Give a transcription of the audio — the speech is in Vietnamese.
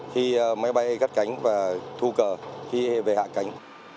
khi máy bay gắt cánh và thu cờ khi về hạ cánh